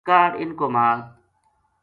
کاہڈ اِنھ کو مال